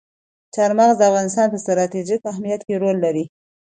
چار مغز د افغانستان په ستراتیژیک اهمیت کې رول لري.